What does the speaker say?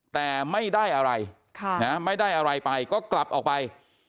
แต่ไม่ได้อะไรไม่ได้อะไรไปก็กลับออกไป